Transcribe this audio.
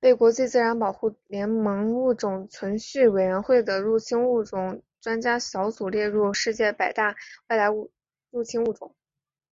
被国际自然保护联盟物种存续委员会的入侵物种专家小组列入世界百大外来入侵种。